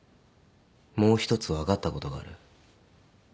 もう一つ分かったことがある。